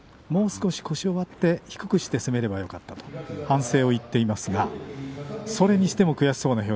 もう少し腰を割って低くして攻めればよかったと反省を言っていました。